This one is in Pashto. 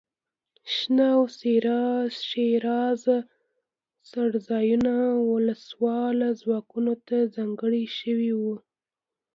شنه او ښېرازه څړځایونه وسله والو ځواکونو ته ځانګړي شوي وو.